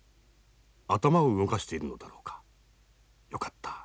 頭を動かしているのだろうか。よかった。